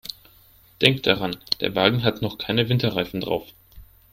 Denk daran, der Wagen hat noch keine Winterreifen drauf.